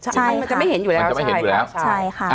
ใช่มันจะไม่เห็นอยู่แล้วมันจะไม่เห็นอยู่แล้วใช่ค่ะ